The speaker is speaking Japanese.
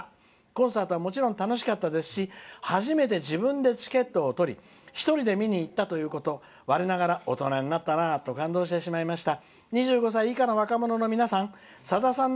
コンサートはもちろん楽しかったですし初めて、自分でチケットを取り一人で見に行ったということ我ながら大人になったなと感動してしまいました。